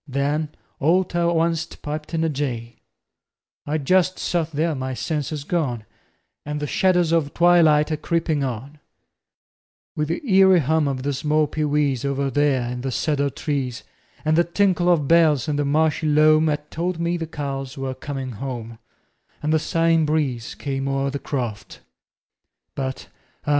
Then all ter onct piped in a jay. I just sot there with my senses gone, And the shadders of twilight a creepin' on, With the eerie hum of the small pee wees, Over there in the cedar trees, And the tinkle of bells in the marshy loam 'At told me the cows were coming home, And the sighing breeze came o'er the croft, But ah!